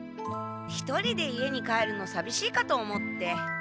一人で家に帰るのさびしいかと思って。